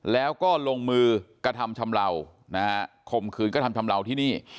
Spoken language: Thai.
แล้วก็ลงมือกระทำชำเลานะฮะข่มขืนกระทำชำเลาที่นี่